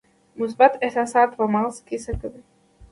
مثبت احساسات په مغز څه کوي؟